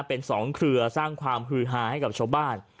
เป็นสองเครือสร้างความฮือฮาให้กับชาวบ้าน